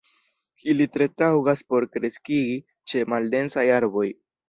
Ili tre taŭgas por kreskigi ĉe maldensaj arboj.